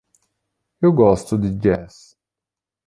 Eu gosto de jazz.